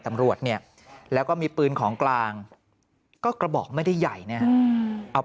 ตำรวจเนี่ยแล้วก็มีปืนของกลางก็กระบอกไม่ได้ใหญ่นะฮะเอา